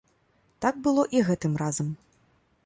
Так было і гэтым разам.